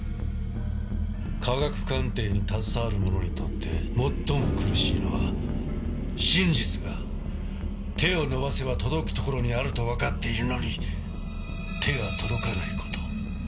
科学鑑定に携わる者にとって最も苦しいのは真実が手を伸ばせば届くところにあるとわかっているのに手が届かない事。